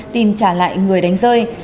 tìm trả lại người đánh rơi